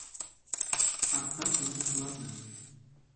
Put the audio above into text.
Ҡарттар тынысһыҙланды: